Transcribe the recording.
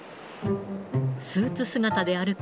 スーツ姿で歩く